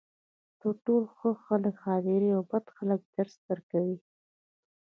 تر ټولو ښه خلک خاطرې او بد خلک درس درکوي.